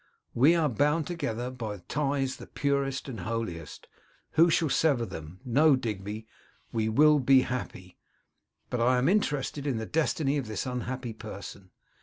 We are bound together by ties the purest, the holiest. Who shall sever them? No! Digby, we will be happy; but I am interested in the destiny of this unhappy person.